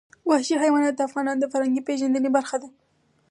وحشي حیوانات د افغانانو د فرهنګي پیژندنې برخه ده.